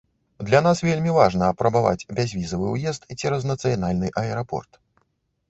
Для нас вельмі важна апрабаваць бязвізавы ўезд цераз нацыянальны аэрапорт.